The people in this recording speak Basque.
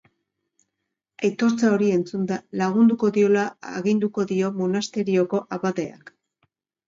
Aitortza hori entzunda, lagunduko diola aginduko dio monasterioko abadeak.